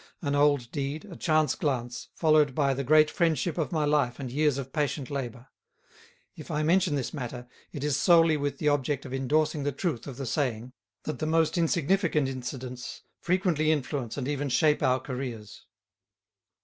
An old deed, a chance glance, followed by the great friendship of my life and years of patient labour. If I mention this matter, it is solely with the object of endorsing the truth of the saying that the most insignificant incidents frequently influence and even shape our careers.